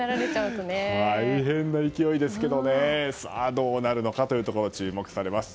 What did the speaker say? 大変な勢いですがさあ、どうなるのかというところ注目されます。